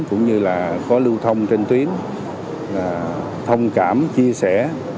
cũng như là có lưu thông trên tuyến thông cảm chia sẻ